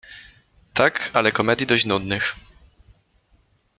— Tak, ale komedii dość nudnych.